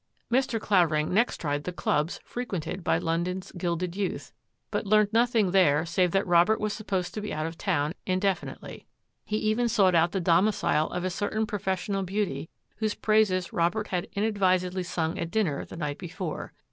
Mr. Clavering next tried the clubs frequented by London's " gilded youth," but learned nothing there save that Robert was supposed to be out of town indefinitely. He even sought out the domicile of a certain professional beauty whose praises Robert had inadvisedly sung at dinner the night before.